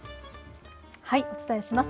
お伝えします。